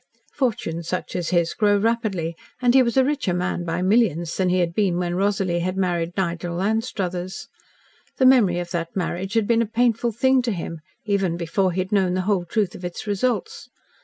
Fortunes such as his grow rapidly, and he was a richer man by millions than he had been when Rosalie had married Nigel Anstruthers. The memory of that marriage had been a painful thing to him, even before he had known the whole truth of its results.